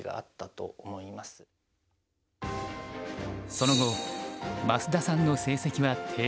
その後増田さんの成績は低迷。